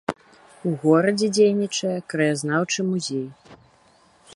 У горадзе дзейнічае краязнаўчы музей.